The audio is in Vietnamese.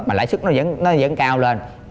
mà lãi suất nó vẫn cao lên